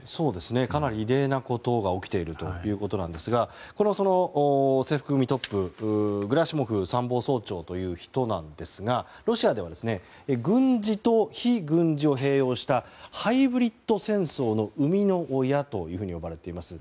かなり異例なことが起きているということなんですがこれは制服組トップゲラシモフ参謀総長ですがロシアでは軍事と非軍事を併用したハイブリッド戦争の生みの親と呼ばれています。